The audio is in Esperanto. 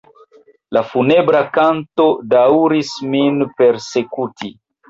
La funebra kanto daŭris min persekuti.